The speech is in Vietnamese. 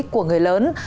của người lớn